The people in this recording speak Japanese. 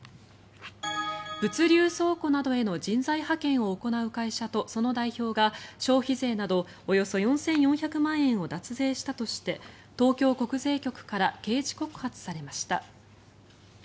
物流倉庫などへの人材派遣を行う会社とその代表が消費税などおよそ４４００万円を脱税したとして東京国税局から刑事告発されました。